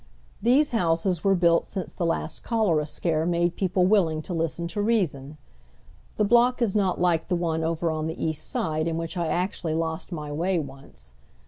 These houses were built since the last cholera scare made people willing to listen to reason. Tiie block is not like the one over on the East Side in which I actually lost my way once.